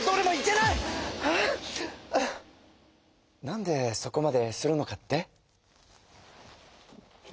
なんでそこまでするのかって？